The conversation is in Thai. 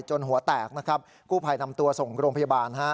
หัวแตกนะครับกู้ภัยนำตัวส่งโรงพยาบาลฮะ